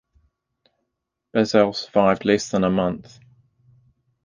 Bassal survived less than a month.